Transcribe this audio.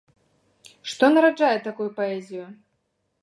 Што нараджае такую паэзію?